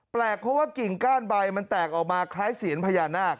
เพราะว่ากิ่งก้านใบมันแตกออกมาคล้ายเสียนพญานาค